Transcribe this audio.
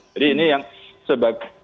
jadi ini yang